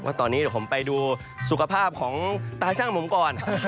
ตอนนี้เดี๋ยวผมไปดูสุขภาพของตาช่างผมก่อน